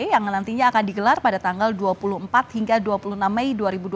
yang nantinya akan digelar pada tanggal dua puluh empat hingga dua puluh enam mei dua ribu dua puluh